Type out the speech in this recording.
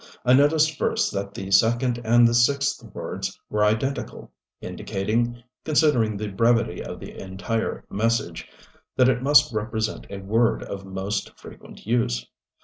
I noticed first that the second and the sixth words were identical, indicating considering the brevity of the entire message that it must represent a word of most frequent use.